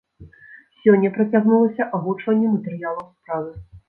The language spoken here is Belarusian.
Сёння працягнулася агучванне матэрыялаў справы.